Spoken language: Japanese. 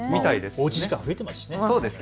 おうち時間、増えていますしね。